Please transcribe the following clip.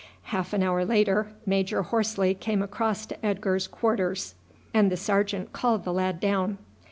Half an hour later Major Horsley came across to Edgar's quarters, and the sergeant called the lad down.